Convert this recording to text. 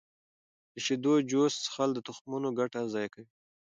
د شیدو جوس څښل د تخمونو ګټه ضایع کوي.